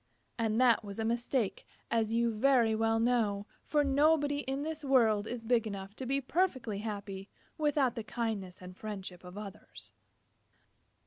And that was a mistake, as you very well know, for nobody in this world is big enough to be perfectly happy without the kindness and friendship of others.